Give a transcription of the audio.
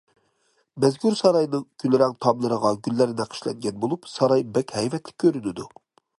مەزكۇر ساراينىڭ كۈل رەڭ تاملىرىغا گۈللەر نەقىشلەنگەن بولۇپ، ساراي بەك ھەيۋەتلىك كۆرۈنىدۇ.